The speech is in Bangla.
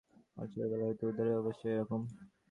আর ছেলেবেলা হইতে উঁহাদের অভ্যাসই একরকম।